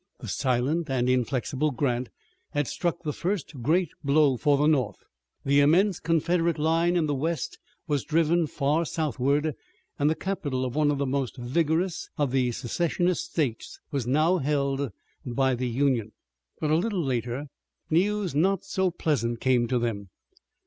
The silent and inflexible Grant had struck the first great blow for the North. The immense Confederate line in the west was driven far southward, and the capital of one of the most vigorous of the secessionist states was now held by the Union. But a little later, news not so pleasant came to them.